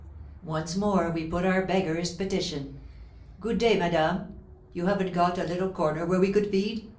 Once more we put up our beggars' petition: "Good day, madame; you haven't got a little corner where we could feed?